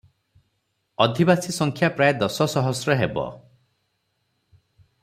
ଅଧିବାସୀସଂଖ୍ୟା ପ୍ରାୟ ଦଶ ସହସ୍ର ହେବ ।